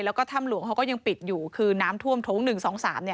แล้วก็ถ้ำหลวงเขาก็ยังปิดอยู่คือน้ำท่วมโถง๑๒๓เนี่ย